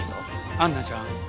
アンナちゃん。